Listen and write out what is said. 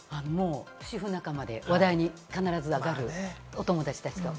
主婦仲間で話題に必ずあがる、お友達たちと。